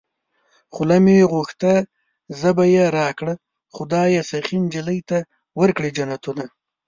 خوله مې غوښته ژبه يې راکړه خدايه سخي نجلۍ ته ورکړې جنتونه